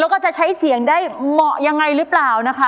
แล้วก็จะใช้เสียงได้เหมาะยังไงหรือเปล่านะคะ